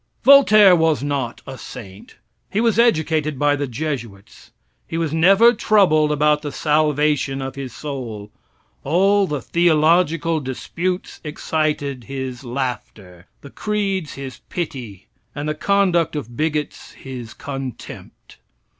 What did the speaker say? Voltaire was not a saint. He was educated by the Jesuits. He was never troubled about the salvation of his soul. All the theological disputes excited his laughter, the creeds his pity, and the conduct of bigots his contempt.